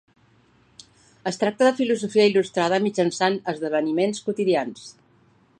Es tracta de filosofia il·lustrada mitjançant esdeveniments quotidians.